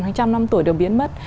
hàng trăm năm tuổi đều biến mất